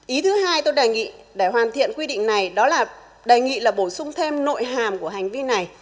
ý thứ hai tôi đề nghị để hoàn thiện quy định này đó là đề nghị là bổ sung thêm nội hàm của hành vi này